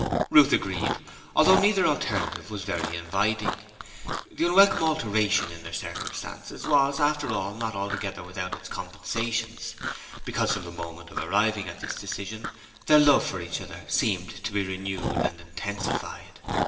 Ruth agreed, although neither alternative was very inviting. The unwelcome alteration in their circumstances was after all not altogether without its compensations, because from the moment of arriving at this decision their love for each other seemed to be renewed and intensified.